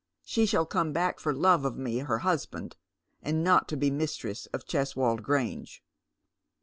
" She shall come back for love of me her husband, not to be mistress of Cheswold Grange."